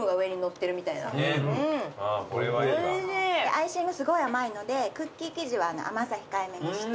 アイシングすごい甘いのでクッキー生地は甘さ控えめにして。